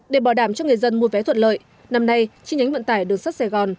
để bảo đảm cho người dân mua vé thuận lợi năm nay chi nhánh vận tải đường sắt sài gòn